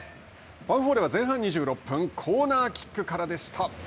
ヴァンフォーレは前半２６分、コーナーキックからでした。